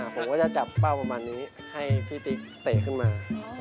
ผมก็จะจับเป้าขวาแบบนั้นให้ที่ติ๊กเตะขึ้นมา